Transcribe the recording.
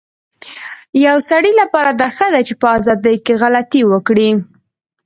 يو سړي لپاره دا ښه ده چي په ازادی کي غلطي وکړی